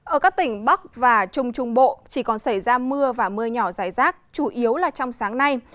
ở các tỉnh bắc và trung trung bộ chỉ còn xảy ra mưa và mưa nhỏ dài rác chủ yếu là trong sáng nay